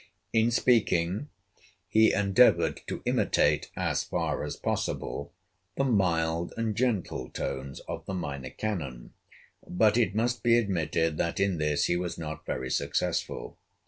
In speaking he endeavored to imitate, as far as possible, the mild and gentle tones of the Minor Canon, but it must be admitted that in this he was not very successful.